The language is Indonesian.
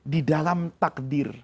di dalam takdir